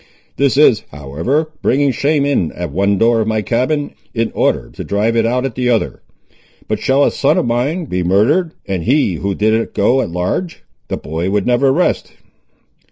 This is, however, bringing shame in at one door of my cabin, in order to drive it out at the other. But shall a son of mine be murdered, and he who did it go at large?—the boy would never rest!"